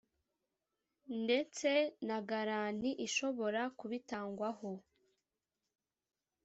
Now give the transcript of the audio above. ndetse na garanti ishobora kubitangwaho